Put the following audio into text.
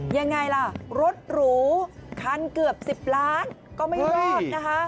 ยังไงล่ะรถหรูคันเกือบ๑๐ล้านก็ไม่รอดนะคะ